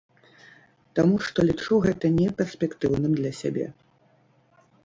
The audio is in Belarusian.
Таму што лічу гэта не перспектыўным для сябе.